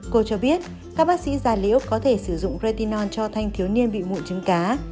cô cho biết các bác sĩ già liễu có thể sử dụng retion cho thanh thiếu niên bị mụn trứng cá